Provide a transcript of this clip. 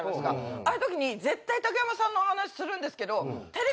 ああいう時に絶対竹山さんの話するんですけど。